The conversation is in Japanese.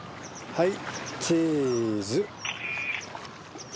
はい！